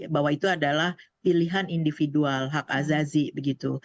bahwa itu adalah pilihan individual hak azazi begitu